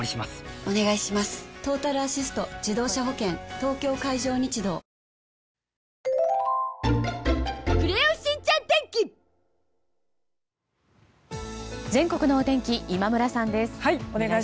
東京海上日動全国のお天気今村さんです。